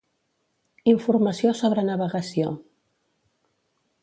Informació sobre navegació.